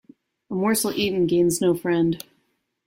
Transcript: A morsel eaten gains no friend.